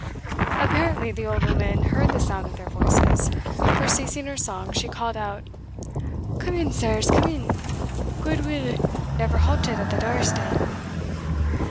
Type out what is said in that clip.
Apparently the old woman heard the sound of their voices; for, ceasing her song, she called out, "Come in, sirs, come in good will never halted at the door stane."